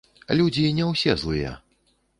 Людзі не ўсе злыя.